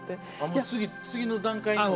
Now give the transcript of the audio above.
もう次の段階のが。